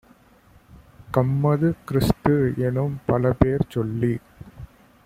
கம்மது, கிறிஸ்து-எனும் பலபேர் சொல்லிச்